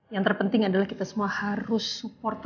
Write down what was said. yang terpenting adalah kita semua harus support